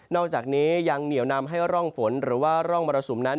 อกจากนี้ยังเหนียวนำให้ร่องฝนหรือว่าร่องมรสุมนั้น